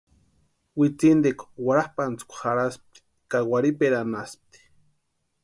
Witsintekwa warhapʼantsïkwa jarhaspti ka warhiperanhaspti.